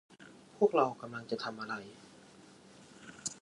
พวกเรากำลังจะทำอะไร